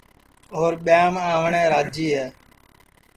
اور ٻیاںم آوٹؔے راجی ہے